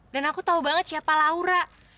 dan aku tau banget siapa laura